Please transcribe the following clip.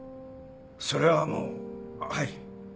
それはもうはい。